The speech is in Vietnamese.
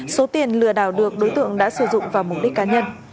số tiền lừa đảo được đối tượng đã sử dụng vào mục đích cá nhân